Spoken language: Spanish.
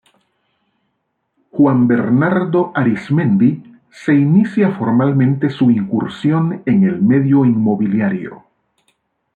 Juan Bernardo Arismendi, se inicia formalmente su incursión en el medio inmobiliario.